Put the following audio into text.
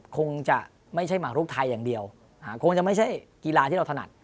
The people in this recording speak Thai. คงจะไม่ใช่หมารุกไทยอย่างเดียวคงจะไม่ใช่กีฬาที่เราถนัด